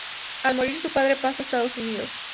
Al morir su padre, pasa a Estados Unidos.